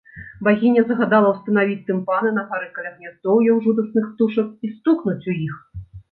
Багіня загадала ўстанавіць тымпаны на гары каля гняздоўяў жудасных птушак і стукнуць у іх.